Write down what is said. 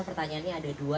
pertanyaannya ada dua